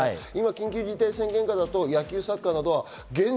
今、緊急事態宣言下だと野球やサッカーは現状